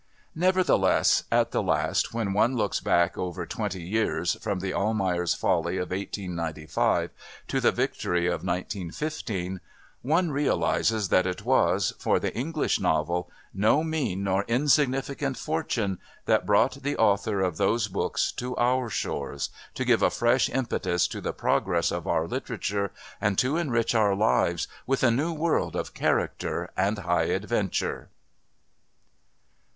Nevertheless, at the last, when one looks back over twenty years, from the Almayer's Folly of 1895 to the Victory of 1915, one realises that it was, for the English novel, no mean nor insignificant fortune that brought the author of those books to our shores to give a fresh impetus to the progress of our literature and to enrich our lives with a new world of character and high adventure.